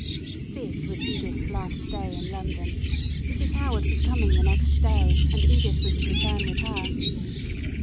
This was Edith's last day in London. Mrs. Howard was coming the next day, and Edith was to return with her.